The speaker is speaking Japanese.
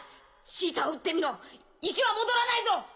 シータを撃ってみろ石は戻らないぞ！